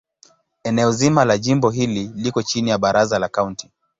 Eneo zima la jimbo hili liko chini ya Baraza la Kaunti.